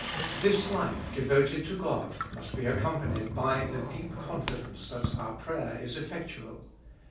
This life devoted to God must be accompanied by the deep confidence that our prayer is effectual.